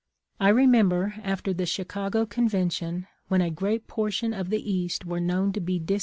I remember, after the Chicago Convention, when a great portion of the East were known to be dis.